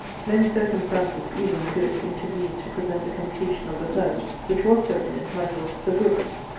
Many circumstances, evil and good, intervened to prevent the completion of the poem, which was to have been entitled THE BROOK.